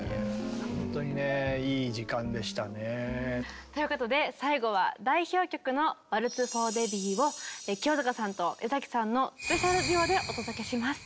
いやぁほんとにねいい時間でしたね。ということで最後は代表曲の「ＷａｌｔｚｆｏｒＤｅｂｂｙ」を清塚さんと江さんのスペシャルデュオでお届けします。